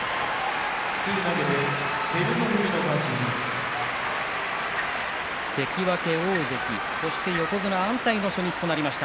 拍手関脇、大関そして横綱が安泰の初日となりました、